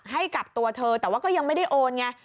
ให้กับตัวเธอแต่ว่าก็ยังไม่ได้โอนไง